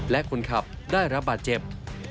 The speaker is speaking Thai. และคนขับได้รับบาดเจ็บ